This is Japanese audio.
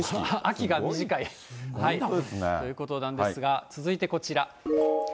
秋が短い。ということなんですが、続いてこちら。